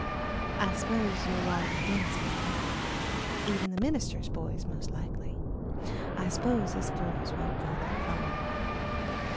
I s'pose you'll all be dancing tonight even the minister's boys most likely. I s'pose his girls won't go that far.